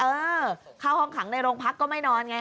เออเข้าห้องขังในโรงพักก็ไม่นอนไง